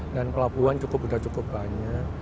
dan pelabuhan sudah cukup banyak